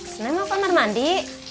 senang makan mandi